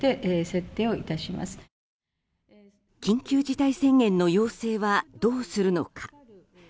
緊急事態宣言の要請はどうするのか。